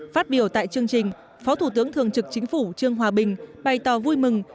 phát biểu tại chương trình phó thủ tướng thường trực chính phủ trương hòa bình bày tỏ vui mừng